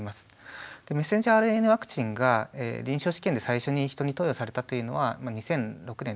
ｍＲＮＡワクチンが臨床試験で最初に人に投与されたというのは２００６年と。